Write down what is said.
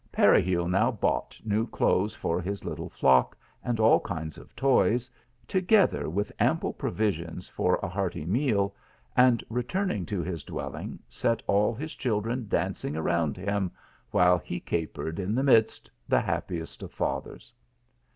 Peregil now bought new clothes for his little flock, and all kinds of toys, together with ample provisions for a hearty meal, and returning to his dwelling set all his children dancing around him, while he capered in the midst, the happiest of fathers.